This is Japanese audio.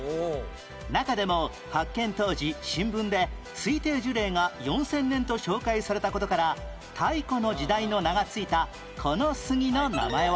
中でも発見当時新聞で推定樹齢が４０００年と紹介された事から「太古の時代」の名が付いたこの杉の名前は？